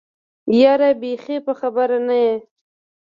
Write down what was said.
يره بېخي په خبره نه يې.